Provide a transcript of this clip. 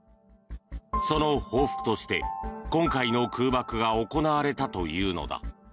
その報復として、今回の空爆が行われたというのだ。